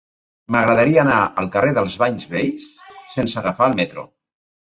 M'agradaria anar al carrer dels Banys Vells sense agafar el metro.